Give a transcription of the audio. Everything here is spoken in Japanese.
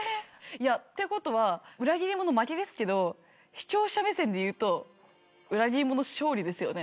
いやってことは裏切り者負けですけど視聴者目線でいうと裏切り者勝利ですよね。